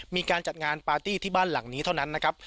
มีการจัดงานปาร์ตี้ที่บ้านหลังนี้เท่านั้นนะครับ